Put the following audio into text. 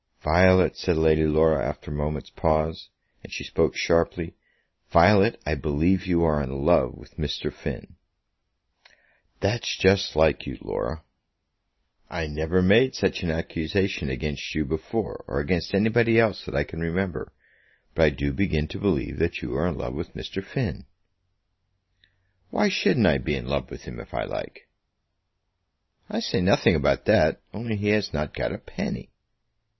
"Violet," said Lady Laura, after a moment's pause; and she spoke sharply; "Violet, I believe you are in love with Mr. Finn." "That's just like you, Laura." "I never made such an accusation against you before, or against anybody else that I can remember. But I do begin to believe that you are in love with Mr. Finn." "Why shouldn't I be in love with him, if I like?" "I say nothing about that; only he has not got a penny."